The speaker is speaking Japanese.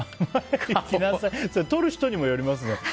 それ、撮る人にもよりますよね。